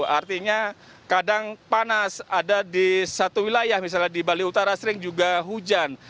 artinya kadang panas ada di satu wilayah misalnya di bali utara sering juga hujan